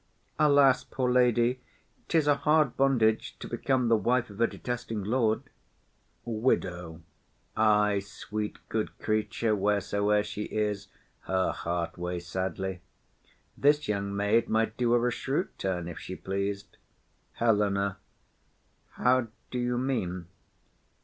Alas, poor lady! 'Tis a hard bondage to become the wife Of a detesting lord. WIDOW. Ay, right; good creature, wheresoe'er she is, Her heart weighs sadly. This young maid might do her A shrewd turn, if she pleas'd. HELENA. How do you mean?